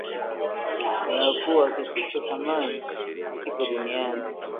ya kuwa kisicho thamani hakipo duniani